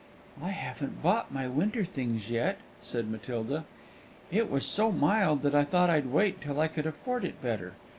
"I haven't bought my winter things yet," said Matilda; "it was so mild, that I thought I'd wait till I could afford it better.